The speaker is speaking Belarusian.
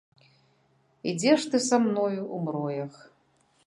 Ідзеш ты са мною ў мроях.